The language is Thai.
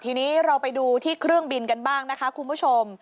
ทีนี้เราไปดูที่เครื่องบินกันบ้างนะคะคุณผู้ชม